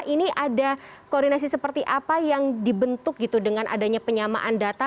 ini ada koordinasi seperti apa yang dibentuk gitu dengan adanya penyamaan data